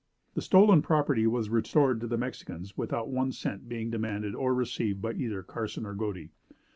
The stolen property was restored to the Mexicans without one cent being demanded or received by either Carson or Godey.